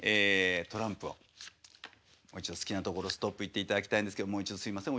トランプをもう一度好きなところ「ストップ」言っていただきたいんですけどもう一度すいません